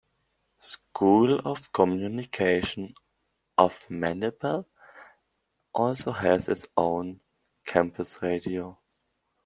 School of Communication of Manipal also has its own campus radio.